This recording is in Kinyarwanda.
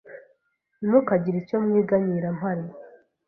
Ntimukagire icyo mwiganyira mpari